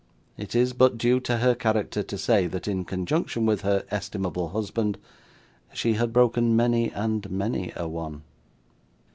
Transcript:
It is but due to her character to say, that in conjunction with her estimable husband, she had broken many and many a one.